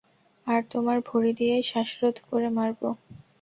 আর তোমার ভুড়ি দিয়েই শ্বাসরোধ করে মারবো।